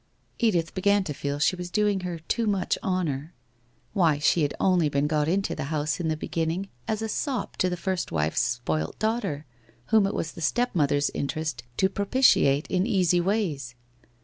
Edith began to feci she was doing her too much honour. Why, she had only been got into the house in the beginning as a sop to the first wife's spoilt daughter, whom it was the step mother's interest to propitiate in easy ways.